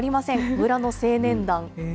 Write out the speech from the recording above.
村の青年団。